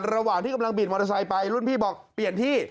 ระหว่างที่กำลังบิดมอเตอร์ไซค์ไปรุ่นพี่บอกเปลี่ยนที่